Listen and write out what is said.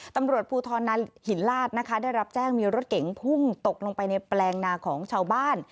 ตำรวจภูทรหินลาดนะคะได้รับแจ้งมีรถเก๋งพุ่งตกลงไปในแปลงนาของชาวบ้าน